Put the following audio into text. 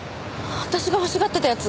私が欲しがってたやつ！